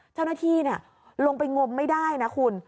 เจ้าหน้าที่ลงไปงมไม่ได้นะคุณ